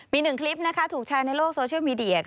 มีหนึ่งคลิปถูกแชร์ในโลกโซเชียลมีเดีย